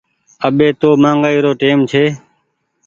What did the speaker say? اٻي تو مآگآئي رو ٽيم ڇي۔